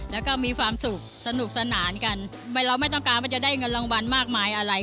แล้วก็มีความสุขสนุกสนานกันเราไม่ต้องการว่าจะได้เงินรางวัลมากมายอะไร